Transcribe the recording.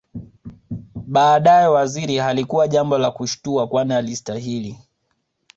Baadae Waziri halikuwa jambo la kushtua kwani alistahili